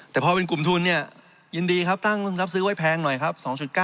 แต่พอเป็นกลุ่มทุนเนี่ยยินดีครับตั้งรับซื้อไว้แพงหน่อยครับ๒๙